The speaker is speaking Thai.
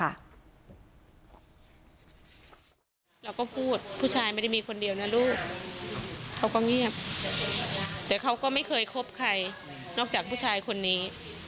เราก็พูดผู้ชายไม่ได้มีคนเดียวนะลูกเขาก็เงียบแต่เขาก็ไม่เคยคบใครนอกจากผู้ชายคนนี้